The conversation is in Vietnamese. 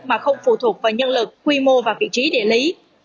mà không phụ thuộc vào nhân lực quy mô và vị trí địa lý